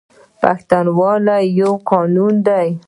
پښتونولي یو قانون دی